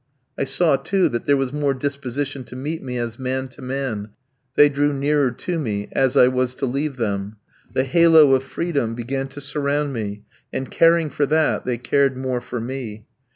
I saw, too, that there was more disposition to meet me as man to man, they drew nearer to me as I was to leave them; the halo of freedom began to surround me, and caring for that they cared more for me.